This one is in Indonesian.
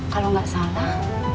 kalau gak salah